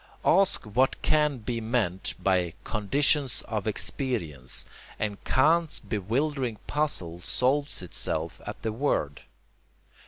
Ask what can be meant by "conditions of experience" and Kant's bewildering puzzle solves itself at the word.